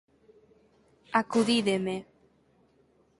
Acudídeme!